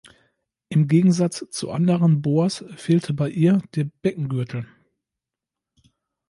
Im Gegensatz zu anderen Boas fehlte bei ihr der Beckengürtel.